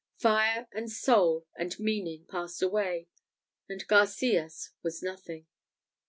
Fire, and soul, and meaning, passed away, and Garcias was nothing.